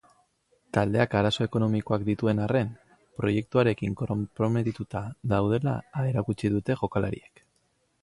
Taldeak arazo ekonomikoak dituen arren, proiektuarekin konprometituta daudela erakutsi dute jokalariek.